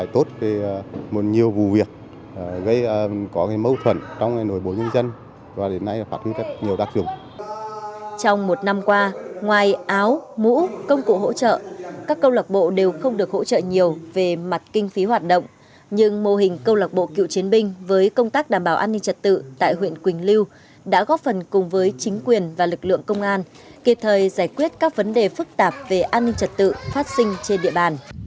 trong một năm qua ngoài áo mũ công cụ hỗ trợ các câu lạc bộ đều không được hỗ trợ nhiều về mặt kinh phí hoạt động nhưng mô hình câu lạc bộ cựu chiến binh với công tác đảm bảo an ninh trật tự tại huyện quỳnh lưu đã góp phần cùng với chính quyền và lực lượng công an kịp thời giải quyết các vấn đề phức tạp về an ninh trật tự phát sinh trên địa bàn